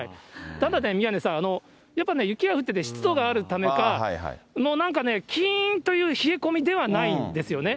ただね、宮根さん、やっぱね、雪が降ってて湿度があるためか、もうなんかね、きーんという冷え込みではないんですよね。